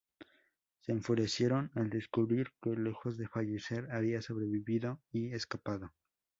Se enfurecieron al descubrir que, lejos de fallecer, había sobrevivido y escapado.